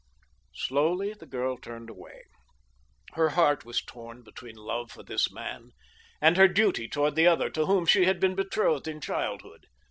Slowly the girl turned away. Her heart was torn between love for this man, and her duty toward the other to whom she had been betrothed in childhood.